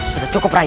sudah cukup rai